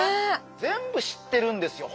全部知ってるんですよ